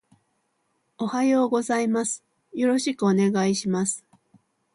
おはようございます。よろしくお願いします